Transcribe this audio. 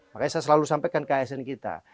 makanya saya selalu sampaikan ke asn kita